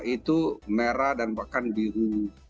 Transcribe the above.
itu merah dan bahkan biru